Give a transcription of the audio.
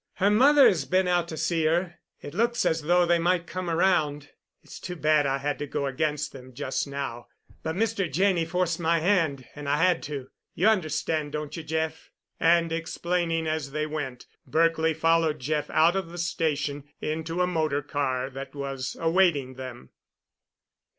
Her mother has been out to see her. It looks as though they might come around. It's too bad I had to go against them just now, but Mr. Janney forced my hand, and I had to. You understand, don't you, Jeff?" And, explaining as they went, Berkely followed Jeff out of the station, into a motor car that was awaiting them.